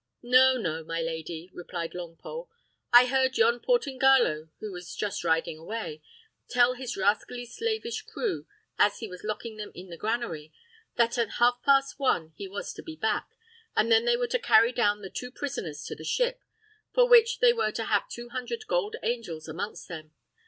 "No, no, my lady," replied Longpole; "I heard yon Portingallo, who is just riding away, tell his rascally slavish crew, as he was locking them up in the granary, that at half past one he was to be back; and then they were to carry down the two prisoners to the ship, for which they were to have two hundred gold angels amongst them.